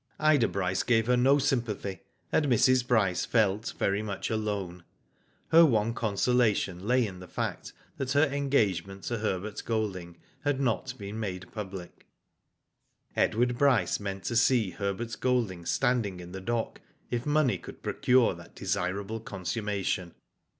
Ida Bryce gave her no sympathy, and Mrs. Bryce felt very much alone. Her one consolation lay in the fact that her engagement to Herbert Golding had not been made public. Edward Bryce meant to see Herbert Golding standing in the dock if money could procure that desirable consummation.